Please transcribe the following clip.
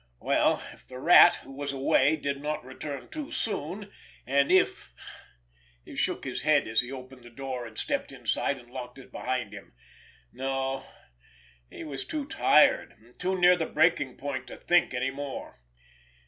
Well, if the Rat, who was away, did not return too soon, and if—he shook his head, as he opened the door, and stepped inside, and locked it behind him—no, he was too tired, and too near the breaking point to think any more.